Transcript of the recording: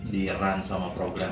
di run sama program